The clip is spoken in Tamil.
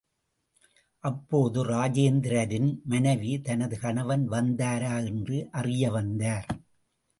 அப்போது ராஜேந்திரரின் மனைவி தனது கணவன் வந்தாரா என்று அறிய வந்தார்.